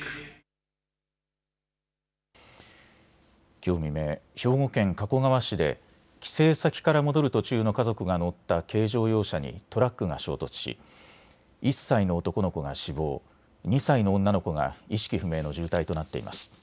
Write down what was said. きょう未明、兵庫県加古川市で帰省先から戻る途中の家族が乗った軽乗用車にトラックが衝突し１歳の男の子が死亡、２歳の女の子が意識不明の重体となっています。